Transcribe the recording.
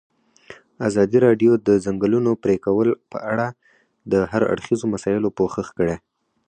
ازادي راډیو د د ځنګلونو پرېکول په اړه د هر اړخیزو مسایلو پوښښ کړی.